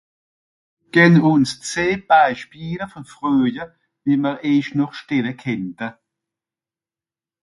genn uns zeh Beispieler von Fröje wie mr eich noch stelle kennte